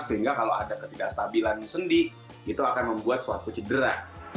sehingga kalau ada ketidakstabilan sendi itu akan membuat suatu cedera